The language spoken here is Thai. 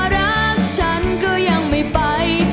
รักกันมาก